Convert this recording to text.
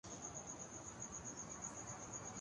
کام فورا شروع کردیتا ہوں